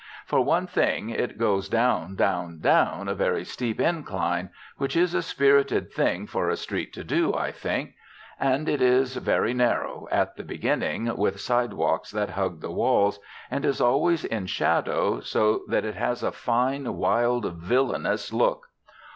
For one thing, it goes down, down, down a very steep incline; which is a spirited thing for a street to do, I think. And it is very narrow, at the beginning, with sidewalks that hug the walls, and is always in shadow, so that it has a fine, wild, villainous look.